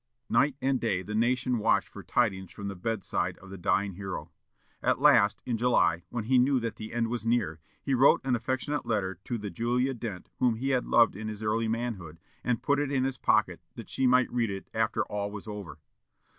'" Night and day the nation watched for tidings from the bedside of the dying hero. At last, in July, when he knew that the end was near, he wrote an affectionate letter to the Julia Dent whom he had loved in his early manhood, and put it in his pocket, that she might read it after all was over.